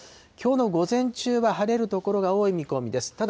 きょうの午前中は晴れる所が多い見込みです。